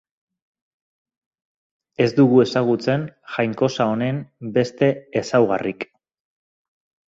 Ez dugu ezagutzen jainkosa honen beste ezaugarrik.